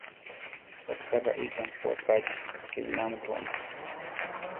Cha ríka raíchami jú apachí, ke inámituami.